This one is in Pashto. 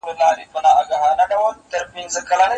زما له غیږي څخه ولاړې اسمانې سولې جانانه